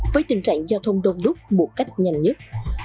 với tình trạng giao thông đông đúc một cách nhanh nhất